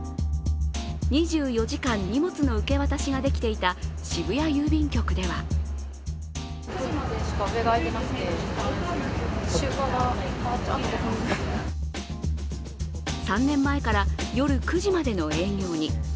２４時間荷物の受け渡しができていた渋谷郵便局では３年前から夜９時までの営業に。